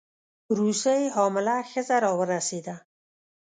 روسۍ حامله ښځه راورسېده.